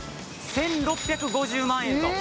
１６５０万円と。